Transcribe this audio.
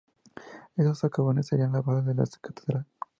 Esos socavones serían la base de la catedral.